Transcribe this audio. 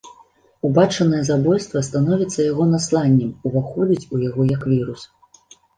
Убачанае забойства становіцца яго насланнем, уваходзіць у яго як вірус.